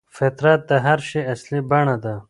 فطرت د هر شي اصلي بڼه ده.